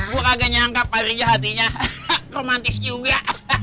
gue kagak nyangka pak riza hatinya romantis juga